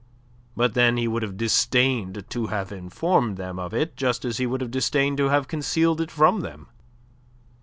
But then he would have disdained to have informed them of it just as he would have disdained to have concealed it from them.